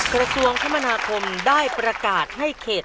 กระทรวงคมนาคมได้ประกาศให้เขต